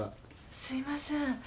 すいません。